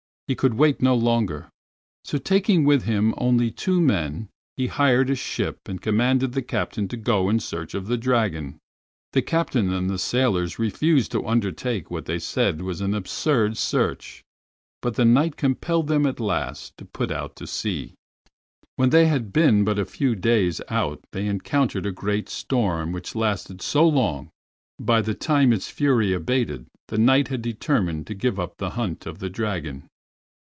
He could wait no longer, so taking with him only two men he hired a ship and commanded the captain to go in search of the dragon; the captain and the sailors refused to undertake what they said was an absurd search, but the Knight compelled them at last to put out to sea. When they had been but a few days out they encountered a great storm which lasted so long that, by the time its fury abated, the Knight had determined to give up the hunt of the dragon.